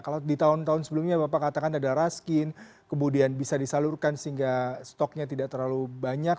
kalau di tahun tahun sebelumnya bapak katakan ada raskin kemudian bisa disalurkan sehingga stoknya tidak terlalu banyak